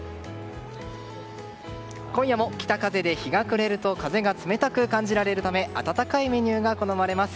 今夜も北風で日が暮れると風が冷たく感じられるため温かいメニューが好まれます。